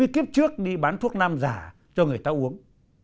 hai mươi kiếp trước đi bán thuốc nam giả cho người ta uống